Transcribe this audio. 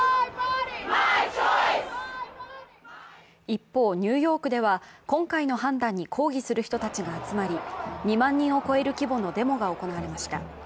一方、ニューヨークでは今回の判断に抗議する人たちが集まり、２万人を超える規模のデモが行われました。